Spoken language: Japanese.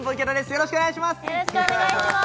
よろしくお願いします